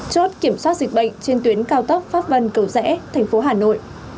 chốt kiểm soát dịch bệnh trên tuyến cao tốc pháp vân cầu rẽ thành phố hà nội